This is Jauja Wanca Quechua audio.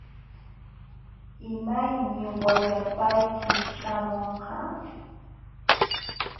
¿Imaymi wayapayki ćhaamunqa?